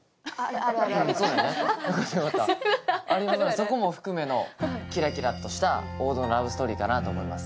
そこも含めのキラキラとした王道のラブストーリーかなと思います。